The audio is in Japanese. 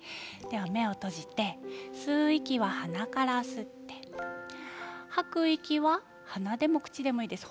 目を閉じて吸う息は鼻から吸って吐く息は鼻でも口でもいいです。